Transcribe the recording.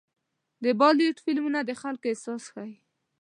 د بالیووډ فلمونه د خلکو احساس ښيي.